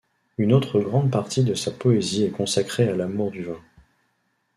Une autre grande partie de sa poésie est consacrée à l'amour du vin.